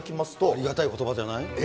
ありがたいことばじゃない。